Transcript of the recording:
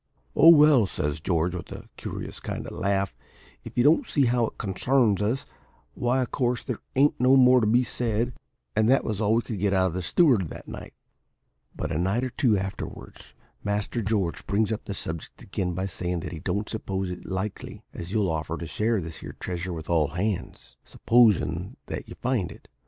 "`Oh, well,' says George, with a curious kind of a laugh, `if you don't see as how it concarns us, why of course there ain't no more to be said.' And that was all we could get out of the steward that night. "But a night or two afterwards, Master George brings up the subject again by sayin' that he don't suppose it's likely as you'll offer to share this here treasure with all hands, supposin' that you find it.